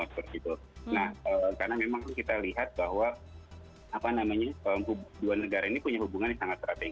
karena memang kita lihat bahwa dua negara ini punya hubungan yang sangat strategis